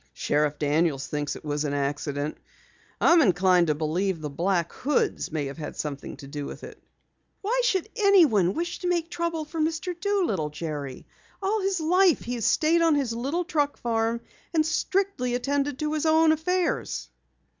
"Sheriff Daniels thinks it was an accident. I'm inclined to believe the Black Hoods may have had something to do with it." "Why should anyone wish to make trouble for Mr. Doolittle, Jerry? All his life he has stayed on his little truck farm, and strictly attended to his own affairs."